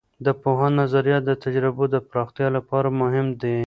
د پوهاند نظریات د تجربو د پراختیا لپاره مهم دي.